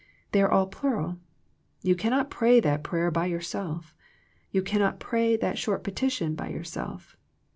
They are all plural. You cannot pray that prayer by yourself. You cannot pray that short petition by yourself.